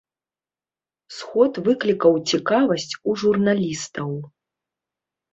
Сход выклікаў цікавасць у журналістаў.